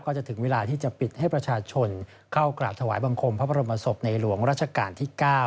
ถึงเวลาที่จะปิดให้ประชาชนเข้ากราบถวายบังคมพระบรมศพในหลวงราชการที่๙